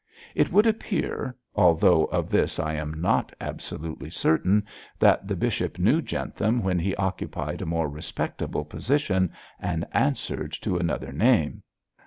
It would appear although of this I am not absolutely certain that the bishop knew Jentham when he occupied a more respectable position and answered to another name!'